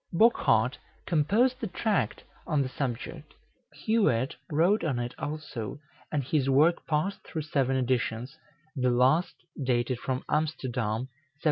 Bochart composed a tract on the subject; Huet wrote on it also, and his work passed through seven editions, the last dated from Amsterdam, 1701.